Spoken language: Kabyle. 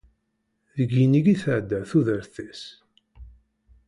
Deg yinig i tɛedda tudert-is.